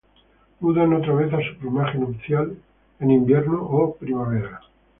Mudan otra vez a su plumaje nupcial en invierno o primavera.